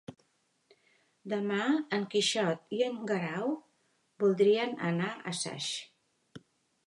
Demà en Quixot i en Guerau voldrien anar a Saix.